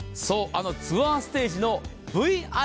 そうあのツアーステージのＶｉＱ。